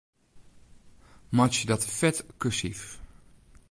Meitsje dat fet kursyf.